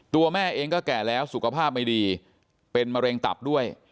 แม่เองก็แก่แล้วสุขภาพไม่ดีเป็นมะเร็งตับด้วย